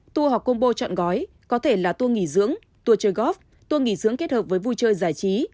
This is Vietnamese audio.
tour hoặc combo chọn gói có thể là tour nghỉ dưỡng tour chơi góp tour nghỉ dưỡng kết hợp với vui chơi giải trí